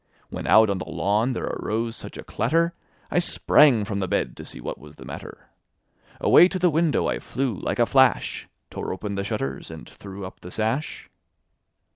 When out on the lawn there arose such a clatter, I sprang from the bed to see what was the matter. Away to the window I flew like a flash, Tore open the shutters, and threw up the sash.